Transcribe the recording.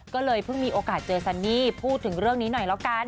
ก็เลยเพิ่งมีโอกาสเจอซันนี่พูดถึงเรื่องนี้หน่อยแล้วกัน